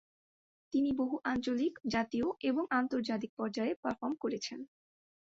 তিনি বহু আঞ্চলিক, জাতীয় এবং আন্তর্জাতিক পর্যায়ে পারফর্ম করেছেন।